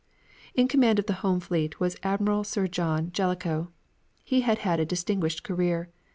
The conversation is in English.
In command of the Home fleet was Admiral Sir John Jellicoe. He had had a distinguished career.